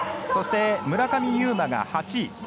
そして、村上右磨が８位。